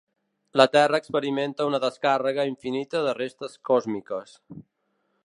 La terra experimenta una descàrrega infinita de restes còsmiques.